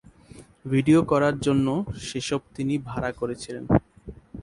Video করার জন্য সেসব তিনি ভাড়া করেছিলেন।